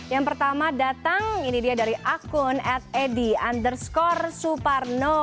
yang pertama datang ini dia dari akun at edi underscore suparno